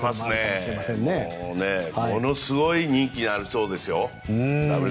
ものすごい人気になりそうですよ